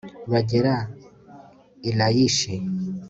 bagera i layishi